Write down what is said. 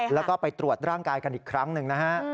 แล้วก็ไปตรวจร่างกายกันอีกครั้งหนึ่งนะฮะ